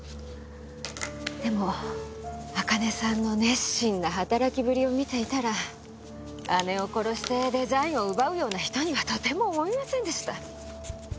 でも朱音さんの熱心な働きぶりを見ていたら姉を殺してデザインを奪うような人にはとても思えませんでした。